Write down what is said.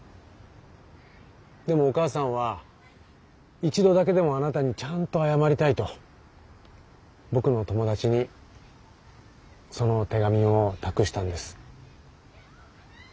でもお母さんは一度だけでもあなたにちゃんと謝りたいと僕の友達にその手紙を託したんです。